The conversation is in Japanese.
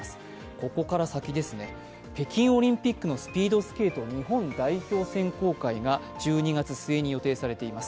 ここから先ですね、北京オリンピックのスピードスケード日本代表選考会が１２月末に予定されています。